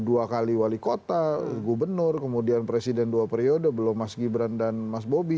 dua kali wali kota gubernur kemudian presiden dua periode belum mas gibran dan mas bobi